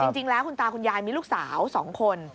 จริงแล้วคุณตาคุณยายมีลูกสาว๒คน